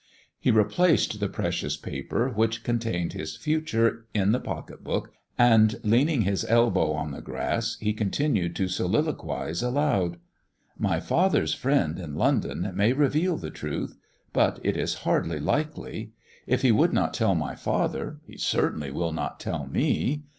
He replaced the precious paper, which contained his future, in the pocket book, and leaning his elbow oh the grass, he continued to soliloquize aloud : "My father's friend in London may reveal the truth; but it is hardly likely. If he would not tell my father, he cei:tainly will not tell me.